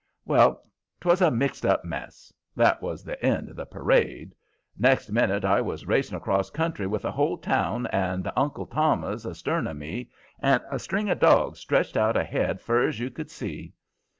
Well, 'twas a mixed up mess. That was the end of the parade. Next minute I was racing across country with the whole town and the Uncle Tommers astern of me, and a string of dogs stretched out ahead fur's you could see.